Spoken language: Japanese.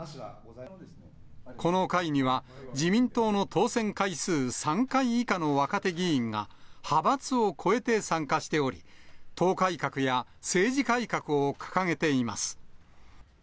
この会には、自民党の当選回数３回以下の若手議員が、派閥を超えて参加しており、党改革や政治改革を掲げています。